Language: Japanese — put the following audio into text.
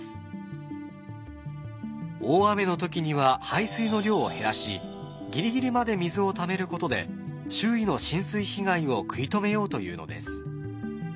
大雨の時には排水の量を減らしギリギリまで水をためることで周囲の浸水被害を食い止めようというのです。